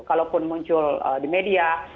kalaupun muncul di media